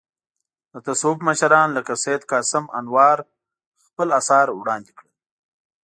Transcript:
د تصوف مشران لکه سید قاسم انوار خپل اثار وړاندې کړل.